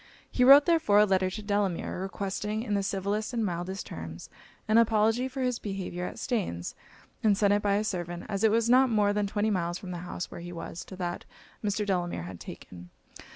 He wrote therefore a letter to Delamere, requesting, in the civilest and mildest terms, an apology for his behaviour at Staines; and sent it by a servant; as it was not more than twenty miles from the house where he was, to that Mr. Delamere had taken.